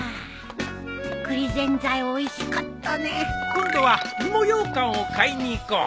今度は芋ようかんを買いに行こう。